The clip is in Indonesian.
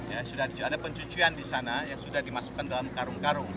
ya sudah ada pencucian di sana yang sudah dimasukkan dalam karung karung